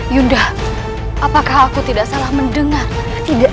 yuda apakah aku tidak salah mendengar tidak